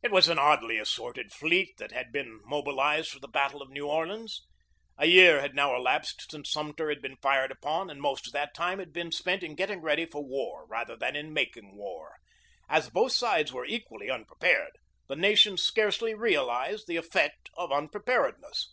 It was an oddly assorted fleet that had been mob ilized for the battle of New Orleans. A year had now elapsed since Sumter had been fired upon, and most of that time had been spent in getting ready for war, rather than in making war. As both sides were equally unprepared, the nation scarcely realized the effect of unpreparedness.